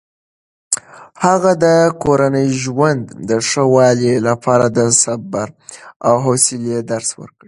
هغه د کورني ژوند د ښه والي لپاره د صبر او حوصلې درس ورکوي.